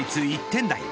１点台。